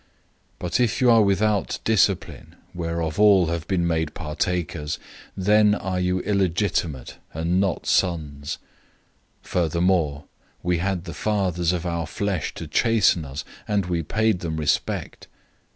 012:008 But if you are without discipline, of which all have been made partakers, then are you illegitimate, and not children. 012:009 Furthermore, we had the fathers of our flesh to chasten us, and we paid them respect.